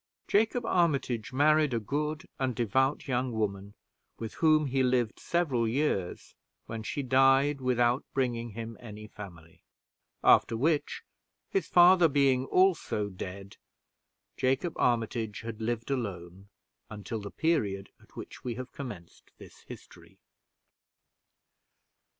Jacob Armitage married a good and devout young woman, with whom he lived several years, when she died, without bringing him any family; after which, his father being also dead, Jacob Armitage had lived alone until the period at which we have commenced this history.